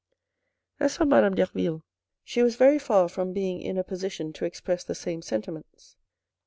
As for Madame Derville, she was very far from being in a position to express the same sentiments.